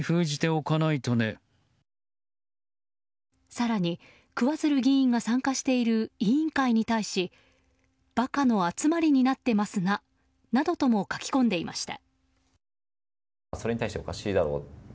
更に桑水流議員が参加している委員会に対しバカの集まりになってますな！などとも書き込んでいました。